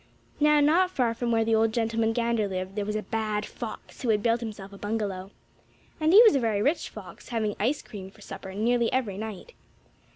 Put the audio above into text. Now, not far from where the old gentleman gander lived there was a bad fox who had built himself a bungalow. And he was a very rich fox, having ice cream for supper nearly every night.